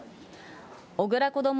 小倉こども